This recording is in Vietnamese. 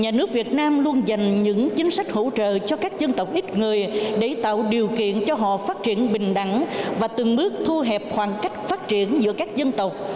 nhà nước việt nam luôn dành những chính sách hỗ trợ cho các dân tộc ít người để tạo điều kiện cho họ phát triển bình đẳng và từng bước thu hẹp khoảng cách phát triển giữa các dân tộc